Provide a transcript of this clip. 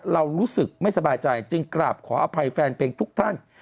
เรารู้สึกไม่สบายใจจึงกราบขออภัยแฟนเพลงทุกท่าน